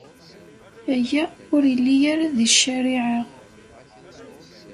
Aya ur illi ara di ccariɛa.